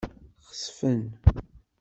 Xesfen.